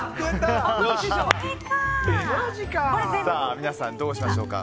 皆さん、どうしましょうか。